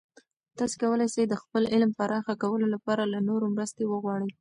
تاسې کولای سئ د خپل علم پراخه کولو لپاره له نورو مرستې وغواړئ.